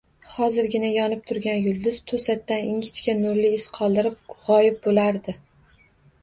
Hozirgina yonib turgan yulduz to‘satdan ingichka, nurli iz qoldirib g‘oyib bo‘lardi.